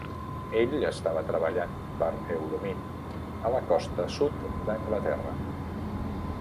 Ell estava treballant per Euromin a la costa sud d'Anglaterra.